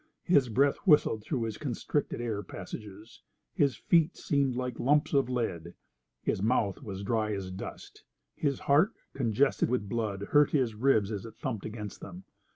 His breath whistled through his constricted air passages. His feet seemed like lumps of lead. His mouth was dry as dust. His heart, congested with blood, hurt his ribs as it thumped against them.